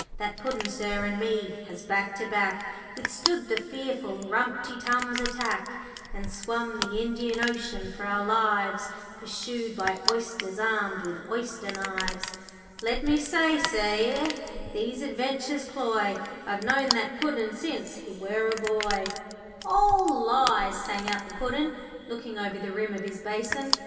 That Puddin', sir, and me, has, back to back, Withstood the fearful Rumty Tums' attack, And swum the Indian Ocean for our lives, Pursued by Oysters, armed with oyster knives. Let me but say, e'er these adventures cloy, I've knowed that Puddin' since he were a boy.' 'All lies,' sang out the Puddin', looking over the rim of his basin.